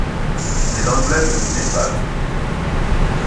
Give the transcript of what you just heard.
C'est l'emblème du Népal.